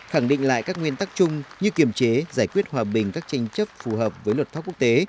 khẳng định lại các nguyên tắc chung như kiềm chế giải quyết hòa bình các tranh chấp phù hợp với luật pháp quốc tế